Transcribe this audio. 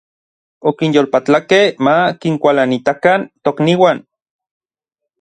Okinyolpatlakej ma kinkualanitakan tokniuan.